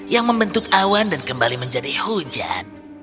yang membentuk awan dan kembali menjadi hujan